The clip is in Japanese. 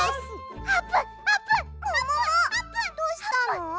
どうしたの？